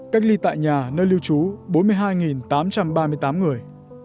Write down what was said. cách ly tại nhà nơi lưu trú bốn mươi hai tám trăm ba mươi tám người